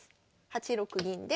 ８六銀で。